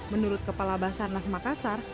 menurut kepala basar nas makassar